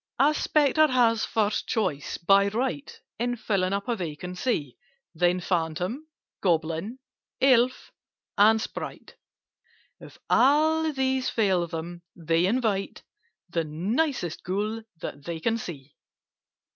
"A Spectre has first choice, by right, In filling up a vacancy; Then Phantom, Goblin, Elf, and Sprite— If all these fail them, they invite The nicest Ghoul that they can see.